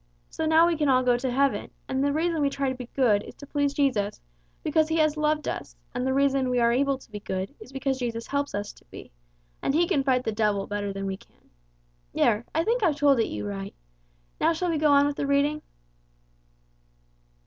So now we can all go to heaven, and the reason we try to be good is to please Jesus because He has loved us, and the reason we are able to be good is because Jesus helps us to be, and He can fight the devil better than we can. There, I think I've told you it right. Now shall we go on with the reading?"